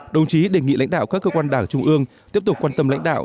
đồng chí đề nghị lãnh đạo các cơ quan đảng trung ương tiếp tục quan tâm lãnh đạo